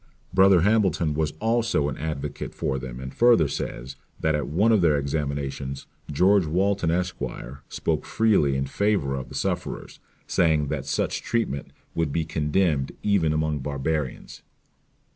Brother Hambleton was also an advocate for them; and further says, that at one of their examinations George Walton, Esq.; spoke freely in favour of the sufferers, saying, that such treatment would be condemned even among barbarians.